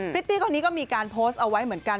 ิตตี้คนนี้ก็มีการโพสต์เอาไว้เหมือนกัน